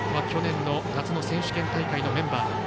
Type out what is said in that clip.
去年の夏の選手権大会のメンバー。